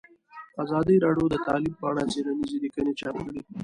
ازادي راډیو د تعلیم په اړه څېړنیزې لیکنې چاپ کړي.